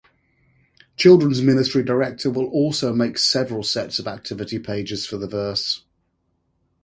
Children’s Ministry Director will also make several sets of activity pages for the verse.